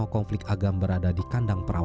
konflik ini memakan waktu panjang empat puluh satu hari